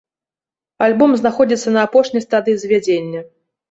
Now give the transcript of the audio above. Альбом знаходзіцца на апошняй стадыі звядзення.